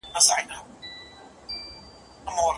ربیعه او نورو علماوو څه فرمایلي دي؟